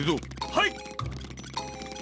はい！